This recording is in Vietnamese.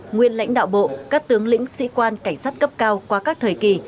nguyên lãnh đạo bộ các tướng lĩnh sĩ quan cảnh sát cấp cao qua các thời kỳ